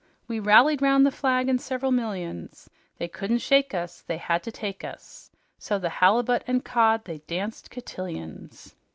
We rallied round the flag in sev'ral millions; They couldn't shake us; They had to take us; So the halibut and cod they danced cotillions."